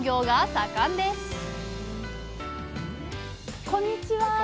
はいこんにちは。